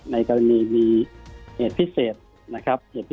ในประโยชนีมีเหตุพิเศษนะครับ